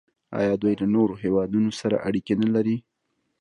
آیا دوی له نورو هیوادونو سره اړیکې نلري؟